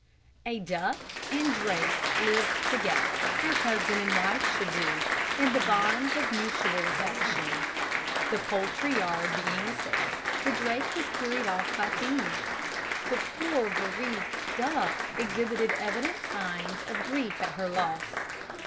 A Duck and drake lived together, as husband and wife should do, in the bonds of mutual affection. The poultry yard being assailed, the drake was carried off by thieves. The poor bereaved duck exhibited evident signs of grief at her loss.